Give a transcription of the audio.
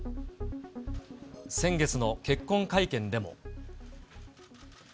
先月の結婚会見でも。